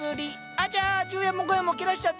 あちゃ十円も五円も切らしちゃってる。